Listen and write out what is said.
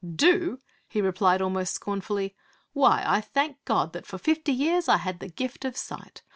'Do?' he replied almost scornfully. 'Why, I thank God that for fifty years I had the gift of sight.